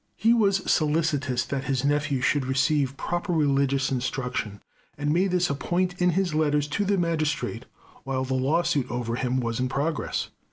He was solicitous that his nephew should receive proper religious instruction, and made this a point in his letters to the magistrates while the lawsuit over him was in progress.